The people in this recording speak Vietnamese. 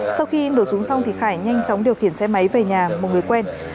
sau khi đổ súng xong khải nhanh chóng điều khiển xe máy về nhà một người quen